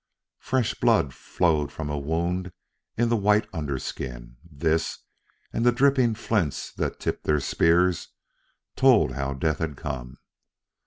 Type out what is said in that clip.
Fresh blood flowed from a wound in the white under skin; this, and the dripping flints that tipped their spears, told how death had come.